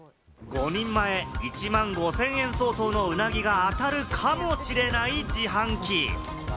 ５人前、１万５０００円相当の鰻が当たるかもしれない自販機。